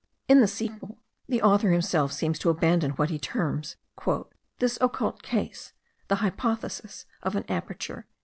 In the sequel, the author himself seems to abandon what he terms "this occult case, the hypothesis of an aperture.")